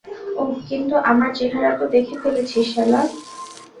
ওহ, কিন্তু আমার চেহারা তো দেখে ফেলেছিস, শালা।